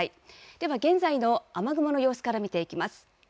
では、現在の雨雲の様子から見ていきます。